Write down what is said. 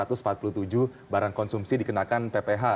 untuk mencari barang konsumsi dikenakan pph